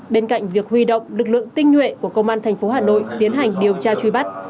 bên cạnh việc huy động lực lượng tinh nhuệ của công an thành phố hà nội tiến hành điều tra truy bắt